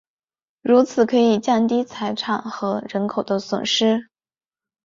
如此可以降低财产和人口的损失。